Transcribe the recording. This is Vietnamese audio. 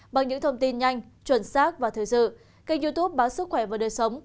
bằng những thông tin nhanh chuẩn xác và thời sự kênh youtube báo sức khỏe và đời sống